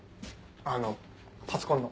あのパソコンの。